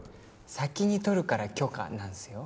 先に取るから「許可」なんすよ。